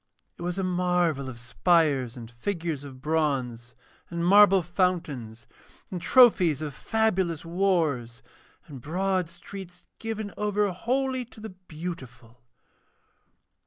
It was a marvel of spires and figures of bronze, and marble fountains, and trophies of fabulous wars, and broad streets given over wholly to the Beautiful.